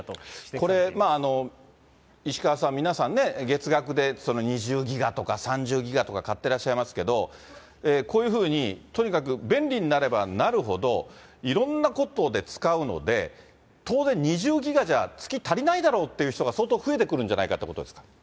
これ、石川さん、皆さんね、月額で２０ギガとか３０ギガとか買ってらっしゃいますけど、こういうふうに、とにかく便利になればなるほど、いろんなことで使うので、当然２０ギガじゃ、月足りないだろうっていう人が、相当増えてくるんじゃないかってことですか？